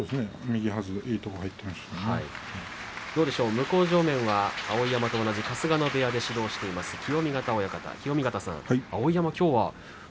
向正面は碧山と同じ春日野部屋で指導している清見潟親方です。